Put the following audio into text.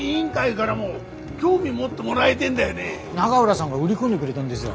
永浦さんが売り込んでくれだんですよ。